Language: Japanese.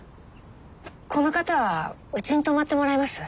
この方はうちに泊まってもらいます。